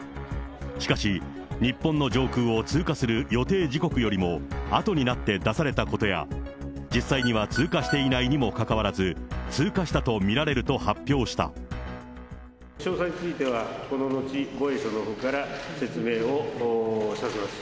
しかし、日本の上空を通過する予定時刻よりもあとになって出されたことや、実際には通過していないにもかかわらず、詳細については、この後、防衛省のほうから説明をさせます。